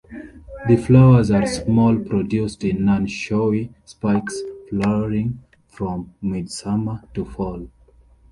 The flowers are small, produced in nonshowy spikes, flowering from midsummer to fall.